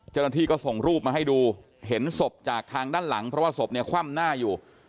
เจ้าหน้าที่ก็ส่งรูปมาให้ดูเห็นศพจากทางด้านหลังเพราะว่าศพเนี่ยคว่ำหน้าอยู่